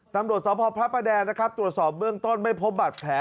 ตำรวจสพพระประแดงนะครับตรวจสอบเบื้องต้นไม่พบบัตรแผล